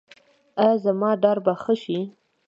ایا زما ډار به ښه شي؟